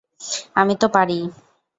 আমি তো পারি।